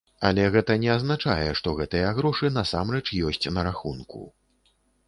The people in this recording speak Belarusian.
Але гэта не азначае, што гэтыя грошы насамрэч ёсць на рахунку.